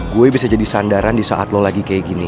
gue bisa jadi sandaran disaat lo lagi kayak gini